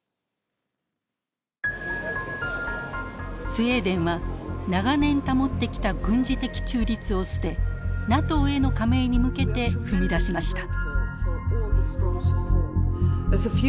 スウェーデンは長年保ってきた軍事的中立を捨てＮＡＴＯへの加盟に向けて踏み出しました。